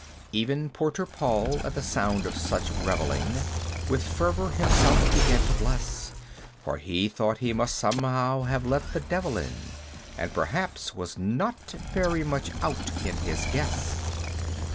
Even Porter Paul, at the sound of such reveling, With fervor himself began to bless; For he thought he must somehow have let the Devil in And perhaps was not very much out in his guess.